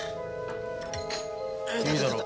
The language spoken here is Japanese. いいだろう。